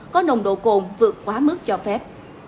có nồng độ cồn vượt quá mức cho phép